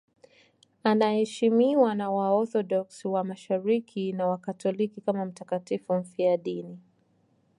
Anaheshimiwa na Waorthodoksi wa Mashariki na Wakatoliki kama mtakatifu mfiadini.